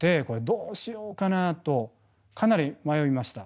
どうしようかなとかなり迷いました。